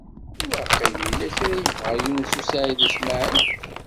Waqil yella kra i yebɣa Yunes u Saɛid u Smaɛil.